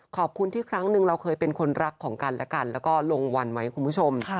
ขอบคุณที่ครั้งหนึ่งเราเคยเป็นคนรักของกันและกันแล้วก็ลงวันไว้คุณผู้ชม